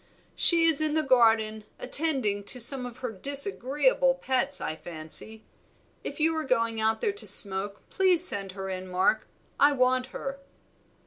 "She is in the garden, attending to some of her disagreeable pets, I fancy. If you are going out there to smoke, please send her in, Mark; I want her."